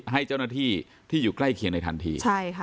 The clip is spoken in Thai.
ให้เจ้าหน้าที่ที่อยู่ใกล้เคียงในทันที